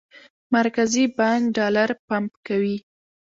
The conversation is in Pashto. مرکزي بانک ډالر پمپ کوي.